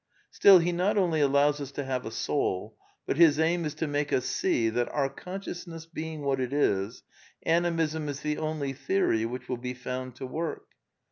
Still, he not only allows us to have a soul, but his aim is to make us see that, our consciousness being what it is. Animism is the only theory which will be found to work.